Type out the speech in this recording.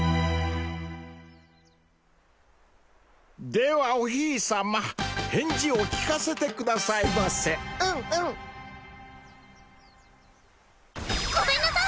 ではおひいさま返事を聞かせてくださいませうんうんごめんなさい！